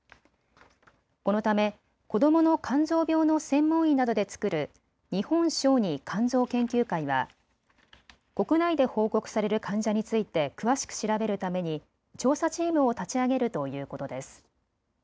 このため子どもの肝臓病の専門医などで作る日本小児肝臓研究会は国内で報告される患者について詳しく調べるために調査チームを立ち上げるということです。